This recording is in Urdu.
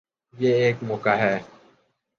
یہ ایک موقع ہے۔